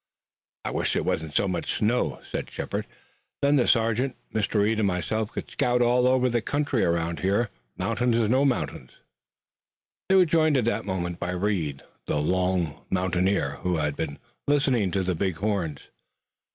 "I wish there wasn't so much snow," said Shepard, "then the sergeant, Mr. Reed and myself could scout all over the country around here, mountains or no mountains." They were joined at that moment by Reed, the long mountaineer, who had also been listening to the big horns.